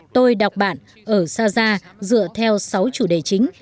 tôi đọc bạn ở xaza dựa theo sáu chủ đề chính